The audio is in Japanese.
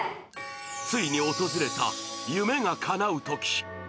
ついに訪れた夢がかなうとき。